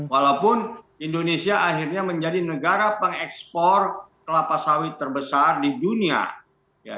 walaupun indonesia akhirnya menjadi negara pengekspor kelapa sawit terbesar di dunia